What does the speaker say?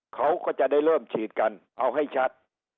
เขาก็จะได้เริ่มฉีดกันเอาให้ชัด